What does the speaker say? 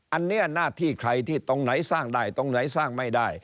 อันนี้หน้าที่ใครที่ตรงไหนสร้างได้ตรงไหนสร้างไม่ได้